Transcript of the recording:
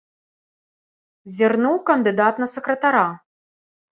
Зірнуў кандыдат на сакратара.